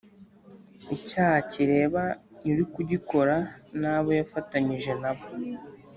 icyaha kireba nyirukugikora n' abo yafatanyije nabo.